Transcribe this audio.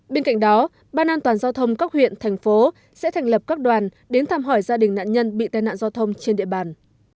bên cạnh đó ban an toàn giao thông các huyện thành phố sẽ thành lập các đoàn đến thăm hỏi gia đình nạn nhân bị tai nạn giao thông trên địa bàn